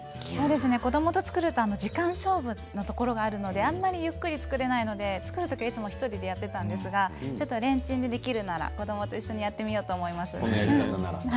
子どもと作ると時間勝負のところがあるのであまりゆっくりできないんですがレンチンでできるなら、子どもと一緒にやってみようと思います。